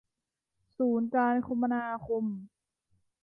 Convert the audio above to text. ศูนย์การคมนาคม